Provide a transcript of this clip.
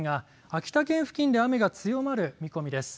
秋田県付近で雨が強まる見込みです。